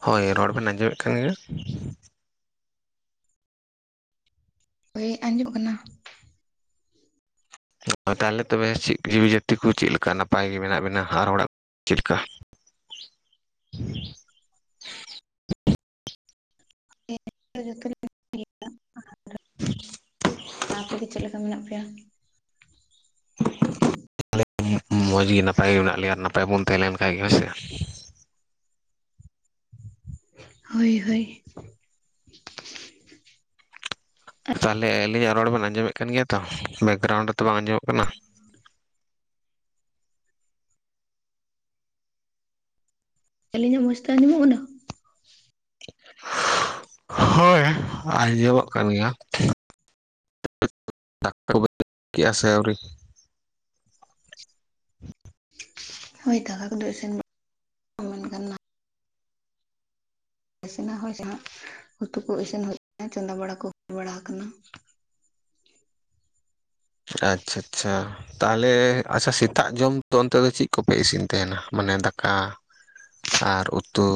ᱦᱳᱭ ᱨᱚᱲ ᱵᱮᱱ ᱟᱸᱡᱚᱢᱮᱫ ᱠᱷᱟᱭ ᱜᱮ᱾ ᱦᱳᱭ ᱟᱸᱡᱚᱢᱚᱜ ᱠᱟᱱᱟ᱾ ᱛᱟᱦᱚᱞᱮ ᱛᱚᱵᱮ ᱪᱮᱫ ᱡᱤᱣᱤ ᱡᱟᱹᱛᱤ ᱠᱚ ᱪᱮᱫ ᱞᱮᱠᱟ ᱱᱟᱯᱟᱭ ᱜᱮ ᱢᱮᱱᱟᱜ ᱵᱤᱱᱟ ᱟᱨ ᱦᱚᱲᱟᱜ ᱪᱮᱫᱠᱟ [inaudible] [inaudible] [inaudible] ᱟᱯᱮᱜᱮ ᱪᱮᱫ ᱞᱮᱠᱟ ᱢᱮᱱᱟᱜ ᱯᱮᱭᱟ? [inaudible] ᱢᱚᱡᱽ ᱜᱮ ᱱᱟᱯᱟᱭ ᱜᱮ ᱢᱮᱱᱟᱜ ᱞᱮᱭᱟ ᱱᱟᱯᱟᱭ ᱵᱚᱱ ᱛᱟᱦᱮᱸᱞᱮᱱ ᱠᱷᱟᱡ ᱦᱳᱭᱥᱮ᱾ ᱦᱳᱭ ᱦᱳᱭ᱾ ᱛᱟᱦᱚᱞᱮ ᱟᱹᱞᱤᱧᱟᱜ ᱨᱚᱲ ᱵᱮᱱ ᱟᱸᱡᱚᱢᱮᱫ ᱠᱟᱱ ᱜᱮᱭᱟ ᱛᱚ ᱵᱮᱠᱜᱨᱟᱣᱩᱱᱰ ᱨᱮᱛᱚ ᱵᱟᱝ ᱟᱸᱡᱚᱢᱚᱜ ᱠᱟᱱᱟ᱾ ᱟᱹᱞᱤᱧᱟᱜ ᱢᱚᱡᱽ ᱛᱮ ᱟᱸᱡᱚᱢᱚᱜ ᱠᱟᱱᱟ? ᱦᱳᱭ ᱟᱸᱡᱚᱢᱚᱜ ᱠᱟᱱ ᱜᱮᱭᱟ᱾ [unintelligible] ᱟᱥᱮ ᱟᱣᱨᱤ᱾ ᱦᱳᱭ ᱫᱟᱠᱟ ᱠᱚᱫᱚ ᱮᱥᱤᱱ ᱢᱮᱱ ᱜᱟᱱᱟ ᱤᱥᱤᱱᱟ ᱦᱚᱸ ᱡᱟᱦᱟᱸ ᱩᱛᱩ ᱠᱚ ᱤᱥᱤᱱ ᱦᱳᱭ ᱠᱟᱱᱟ ᱪᱚᱸᱫᱟ ᱵᱟᱲᱟ ᱠᱚ ᱦᱩᱭ ᱵᱟᱲᱟ ᱟᱠᱟᱱᱟ᱾ ᱟᱪᱪᱷᱟ ᱟᱪᱪᱷᱟ ᱛᱟᱦᱚᱞᱮ ᱟᱪᱪᱷᱟ ᱥᱮᱛᱟᱜ ᱡᱚᱢ ᱛᱚ ᱚᱱᱛᱮ ᱫᱚ ᱪᱮᱫ ᱠᱚᱯᱮ ᱤᱥᱤᱱ ᱛᱟᱦᱮᱱᱟ ᱢᱟᱱᱮ ᱫᱟᱠᱟ? ᱟᱨ ᱩᱛᱩ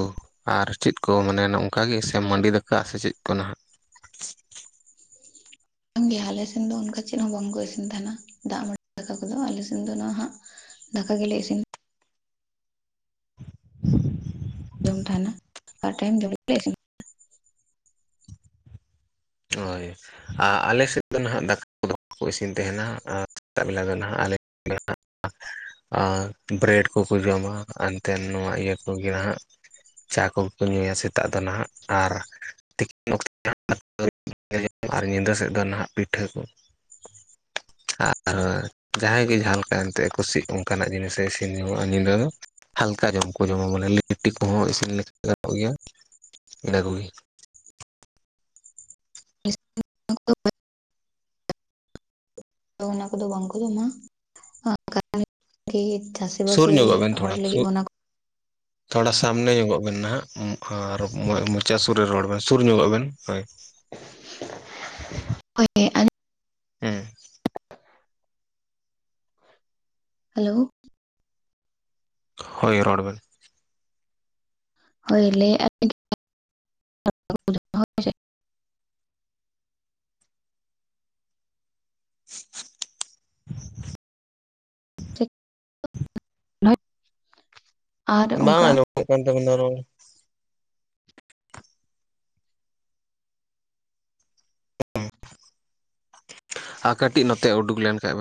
ᱟᱨ ᱪᱮᱫ ᱠᱚ ᱢᱟᱱᱮ ᱱᱚᱝᱠᱟᱜ ᱜᱮ ᱥᱮ ᱢᱟᱹᱰᱤ ᱫᱟᱠ ᱥᱮ ᱪᱮᱫ ᱠᱚ ᱱᱟᱦᱟᱜ? ᱵᱟᱝ ᱜᱮᱭᱟ ᱟᱞᱮ ᱥᱮᱱ ᱫᱚ ᱚᱱᱠᱟ ᱪᱮᱫ ᱦᱚᱸ ᱵᱟᱝᱠᱚ ᱤᱥᱤᱱ ᱛᱟᱦᱮᱱᱟ ᱫᱟᱜ ᱢᱟᱰᱤ ᱫᱟᱠᱟ ᱠᱚᱫᱚ ᱟᱞᱮ ᱥᱮᱱ ᱫᱚ ᱱᱚᱣᱟ ᱦᱟᱸᱜ ᱫᱟᱠᱟ ᱜᱮᱞᱮ ᱤᱥᱤᱱ [unintelligible] ᱡᱚᱢ ᱛᱟᱦᱮᱱᱟ ᱟᱨ ᱴᱟᱭᱤᱢ ᱫᱷᱟᱵᱤᱡ ᱞᱮ ᱤᱥᱤᱱ ᱦᱳᱭ ᱟᱨ ᱟᱞᱮᱥᱮᱫ ᱫᱚ ᱱᱟᱦᱟᱜ ᱫᱟᱠᱟ ᱠᱚ ᱤᱥᱤᱱ ᱛᱟᱦᱮᱱᱟ ᱟᱨ ᱥᱮᱛᱟᱜ ᱵᱮᱞᱟ ᱫᱚ ᱱᱟᱦᱟᱜ ᱟᱞᱮ [unintelligible] ᱟᱨ ᱵᱮᱨᱮᱰ ᱠᱚᱠᱚ ᱡᱚᱢᱟ ᱮᱱᱛᱮᱫ ᱱᱚᱣᱟ ᱤᱭᱟᱹ ᱠᱚᱜᱮ ᱱᱟᱸᱦᱟᱜ᱾ ᱪᱟ ᱠᱚᱜᱮ ᱠᱚ ᱧᱩᱭᱟ ᱥᱮᱛᱟᱜ ᱫᱚ ᱱᱟᱦᱟᱜ ᱟᱨ ᱛᱤᱠᱤᱱ [unintelligible] ᱧᱮᱞ ᱟᱨ ᱧᱤᱫᱟᱹ ᱥᱮᱫ ᱫᱚ ᱱᱟᱦᱟᱜ ᱯᱤᱴᱷᱟᱹ ᱠᱚ᱾ [unintelligible] ᱟᱨ ᱡᱟᱦᱟᱸᱭ ᱜᱮ ᱡᱟᱦᱟᱸ ᱞᱮᱠᱟ ᱮᱱᱛᱮ ᱠᱩᱥᱤᱜ ᱚᱱᱠᱟᱱᱟᱜ ᱡᱤᱱᱤᱥ ᱮ ᱤᱥᱤᱱ ᱧᱚᱝᱜ-ᱟ ᱟᱜ ᱧᱤᱫᱟᱹ ᱫᱚ ᱦᱟᱞᱠᱟ ᱡᱚᱢ ᱠᱚ ᱡᱚᱢᱟ ᱵᱚᱞᱮ ᱞᱤᱴᱤ ᱠᱚᱦᱚᱸ ᱤᱥᱤᱱ ᱞᱮᱠᱟ ᱜᱟᱱᱚᱜ ᱜᱮᱭᱟ ᱤᱱᱟᱹ ᱠᱚᱜᱮ᱾ ᱚᱱᱟ ᱠᱚᱫᱚ ᱵᱟᱝᱠᱚ ᱡᱚᱢᱟ [unintelligible] ᱪᱟᱥ ᱥᱮᱵᱤ ᱥᱩᱨ ᱥᱮ ᱧᱚᱜᱚᱜ ᱵᱮᱱ ᱦᱚᱲ ᱛᱷᱚᱲᱟ ᱞᱟᱹᱜᱤᱫ ᱥᱩᱨ ᱚᱱᱟ ᱠᱚ ᱛᱷᱚᱲᱟ ᱥᱟᱢᱱᱮ ᱧᱚᱜᱚᱜ ᱵᱮᱱ ᱱᱟᱦᱟᱜ ᱟᱨ ᱢᱚᱪᱟ ᱥᱩᱨ ᱨᱮ ᱨᱚᱲ ᱵᱮᱱ ᱥᱩᱨ ᱧᱚᱜᱚᱜ ᱵᱮᱱ ᱦᱳᱭ᱾ [unintelligible] ᱦᱮᱸ᱾ ᱦᱮᱞᱳ᱾ ᱦᱳᱭ ᱨᱚᱲ ᱵᱮᱱ᱾ ᱦᱳᱭ ᱞᱟᱹᱭ ᱟ [inaudible] [unintelligible] ᱵᱟᱝ ᱚᱱᱠᱟ ᱟᱸᱡᱚᱢᱚᱜ ᱠᱟᱱ ᱛᱟᱵᱤᱱᱟ ᱨᱚᱲ᱾ ᱟᱸ ᱠᱟᱹᱴᱤᱡ ᱱᱚᱛᱮ ᱩᱰᱩᱠ ᱞᱮᱱᱠᱷᱟᱱ ᱵᱮᱱ